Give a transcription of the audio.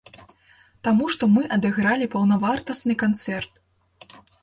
Таму што мы адыгралі паўнавартасны канцэрт.